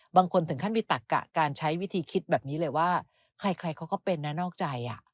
บางคนถึงขั้นมีตักกะการใช้วิธีคิดแบบนี้เลยว่าใครเขาก็เป็นนะนอกใจ